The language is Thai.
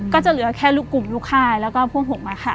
ก็จะเหลือแค่ลูกกลุ่มลูกค่ายแล้วก็พวกผมอะค่ะ